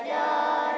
di sanalah aku berdiri